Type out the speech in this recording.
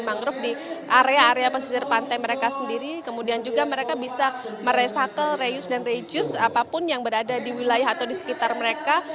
mangrove di area area pesisir pantai mereka sendiri kemudian juga mereka bisa meresacle reuse dan reduce apapun yang berada di wilayah atau di sekitar mereka